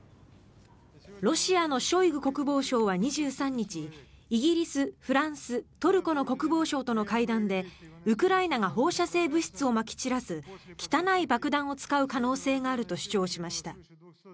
ロシアのショイグ国防相は２３日イギリス、フランス、トルコの国防相との会談でウクライナが放射性物質をまき散らす汚い爆弾を使う可能性があると主張しました。